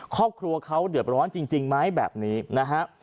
ครอบครัวเขาเดือดร้อนจริงไหมแบบนี้นะฮะ